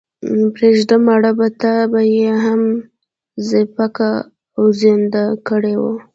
پرېږده مړه په تا به ئې هم څپياكه اوېزانده كړې وي۔